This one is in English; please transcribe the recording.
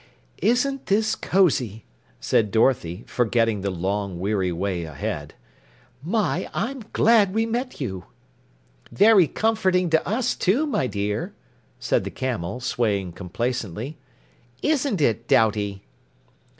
"Isn't this cozy?" said Dorothy, forgetting the long, weary way ahead. "My, I'm glad we met you!" "Very comforting to us, too, my dear," said the Camel, swaying complacently. "Isn't it, Doubty?"